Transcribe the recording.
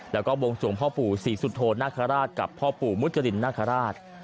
แล้วก็วงสวงพ่อปู่ศรีสุโธนาคาราชกับพ่อปู่มุจรินนาคาราช